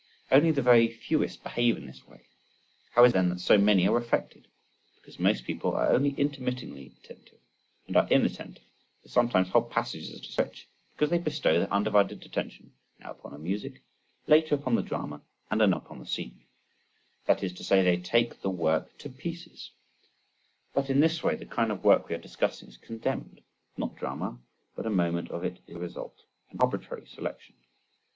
—Only the very fewest behave in this way: how is it then that so many are affected? Because most people are only intermittingly attentive, and are inattentive for sometimes whole passages at a stretch; because they bestow their undivided attention now upon the music, later upon the drama, and anon upon the scenery—that is to say they take the work to pieces.—But in this way the kind of work we are discussing is condemned: not the drama but a moment of it is the result, an arbitrary selection.